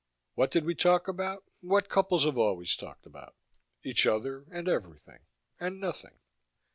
What did we talk about? What couples have always talked about: Each other, and everything, and nothing.